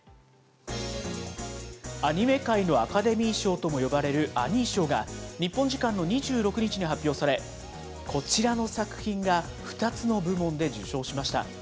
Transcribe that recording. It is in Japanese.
アニメ界のアカデミー賞とも呼ばれるアニー賞が、日本時間の２６日に発表され、こちらの作品が２つの部門で受賞しました。